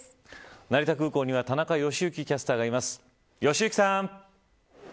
成田空港には田中良幸キャスターがいます。